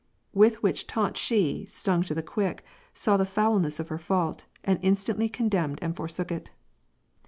With which taunt she, stung to the quick, saw the foulness of her fault, and instantly condemned and forsook it.